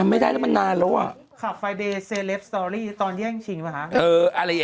เป็นการกระตุ้นการไหลเวียนของเลือด